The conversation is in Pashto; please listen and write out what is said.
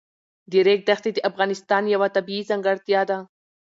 د ریګ دښتې د افغانستان یوه طبیعي ځانګړتیا ده.